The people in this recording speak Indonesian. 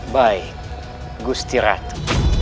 baik gusti ratu